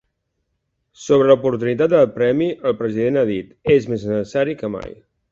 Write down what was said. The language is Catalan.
Sobre l’oportunitat del premi, el president ha dit: És més necessari que mai.